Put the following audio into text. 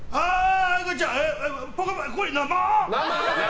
これ生？